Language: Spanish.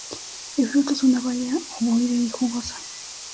El fruto es una baya ovoide y jugosa.